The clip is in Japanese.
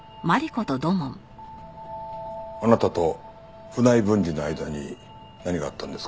あなたと船井文治の間に何があったんですか？